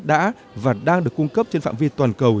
đã và đang được cung cấp trên phạm vi toàn cầu